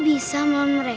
dia bisa vari